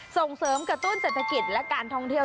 ส่งเสริมกระตุ้นเศรษฐกิจและการท่องเที่ยว